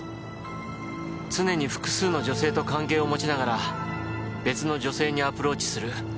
常に複数の女性と関係を持ちながら別の女性にアプローチする。